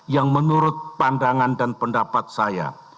yang menurut pandangan dan pendapat saya